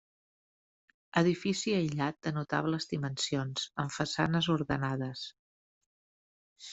Edifici aïllat de notables dimensions, amb façanes ordenades.